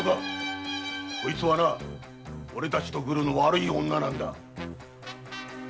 こいつは俺たちとグルの悪い女なんだ。